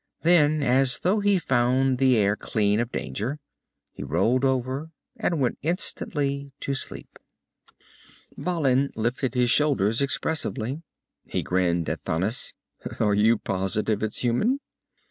Then, as though he found the air clean of danger, he rolled over and went instantly to sleep. Balin lifted his shoulders expressively. He grinned at Thanis. "Are you positive it's human?"